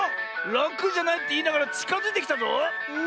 「ラクじゃない」っていいながらちかづいてきたぞ！